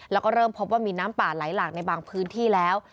แล้วก็เริ่มพบว่ามีน้ำป่าไหลหลากในบางพื้นที่แล้ว